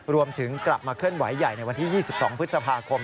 รวมถึงกลับมาเคลื่อนไหวใหญ่ในวันที่๒๒พฤษภาคม